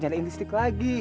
nyariin listrik lagi